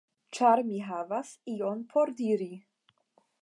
Ĉar mi havas ion por diri.